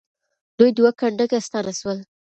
دوی دوه کنډکه ستانه سول.